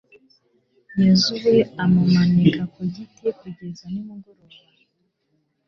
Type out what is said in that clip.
yozuwe amumanika ku giti kugeza nimugoroba